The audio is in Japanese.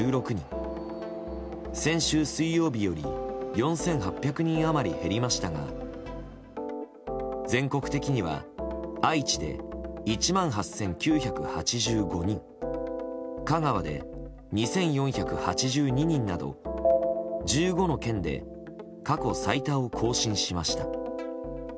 先週水曜日より４８００人余り減りましたが全国的には愛知で１万８９８５人香川で２４８２人など１５の県で過去最多を更新しました。